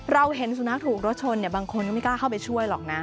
เราเห็นสุนัขถูกรถชนบางคนก็ไม่กล้าเข้าไปช่วยหรอกนะ